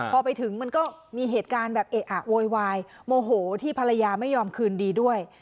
พอไปถึงมันก็มีเหตุการณ์แบบเอะอะโวยวายโมโหที่ภรรยาไม่ยอมคืนดีด้วย